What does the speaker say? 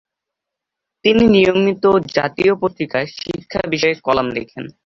তিনি নিয়মিত জাতীয় পত্রিকায় শিক্ষা বিষয়ে কলাম লেখেন।